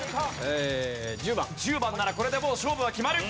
１０番ならこれでもう勝負は決まる。